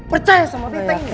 percaya sama beteng ini